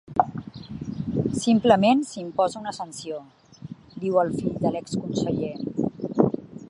Simplement s’imposa una sanció, diu el fill de l’ex-conseller.